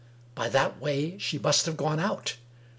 By that way she must have gone out.